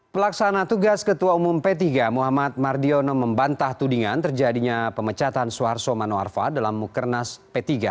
pelaksana tugas ketua umum p tiga muhammad mardiono membantah tudingan terjadinya pemecatan suharto manoarfa dalam mukernas p tiga